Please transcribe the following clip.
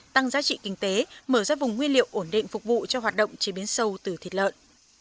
tăng giá trị kinh tế mở ra vùng nguyên liệu ổn định phục vụ cho hoạt động chế biến sâu từ thịt lợn